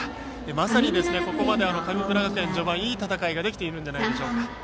まさにここまで神村学園は序盤いい戦いができているんじゃないでしょうか。